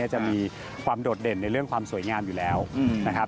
จะมีความโดดเด่นในเรื่องความสวยงามอยู่แล้วนะครับ